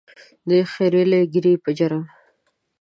د خرییلې ږیرې په جرم.